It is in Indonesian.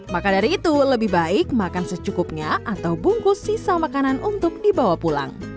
maka dari itu lebih baik makan secukupnya atau bungkus sisa makanan untuk dibawa pulang